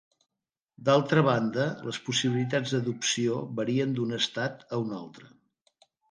D'altra banda, les possibilitats d'adopció varien d'un estat a un altre.